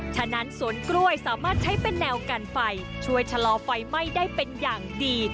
ฉะนั้นสวนกล้วยสามารถใช้เป็นแนวกันไฟช่วยชะลอไฟไหม้ได้เป็นอย่างดี